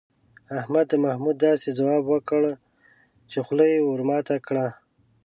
احمد د محمود داسې ځواب وکړ، چې خوله یې ور ماته کړه.